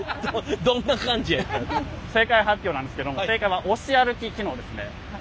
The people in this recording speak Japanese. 正解発表なんですけども正解は押し歩き機能ですね。